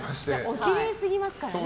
おきれいすぎますからね。